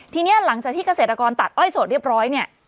ทีนี้หลังจากที่เกษตรกรตัดอ้อยโสดเรียบร้อยเนี่ย